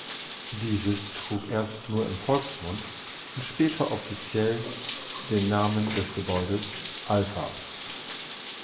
Dieses trug erst nur im Volksmund und später offiziell den Namen des Gebäudes „Alfa“.